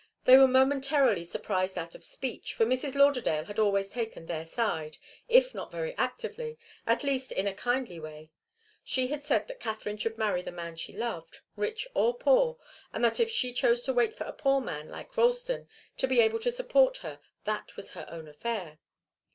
They were momentarily surprised out of speech, for Mrs. Lauderdale had always taken their side, if not very actively, at least in a kindly way. She had said that Katharine should marry the man she loved, rich or poor, and that if she chose to wait for a poor man, like Ralston, to be able to support her, that was her own affair.